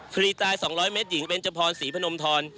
คดีตาย๒๐๐เมตรหญิงเบนจพรศรีพนมทร